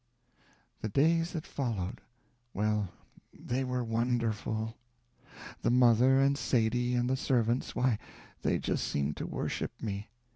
The days that followed well, they were wonderful. The mother and Sadie and the servants why, they just seemed to worship me.